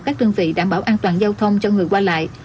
các đơn vị đảm bảo an toàn giao thông cho người qua lại